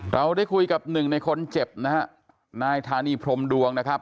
เราได้คุยกับหนึ่งในคนเจ็บนะฮะนายธานีพรมดวงนะครับ